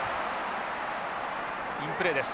インプレーです。